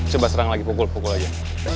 coba serang lagi pukul pukul aja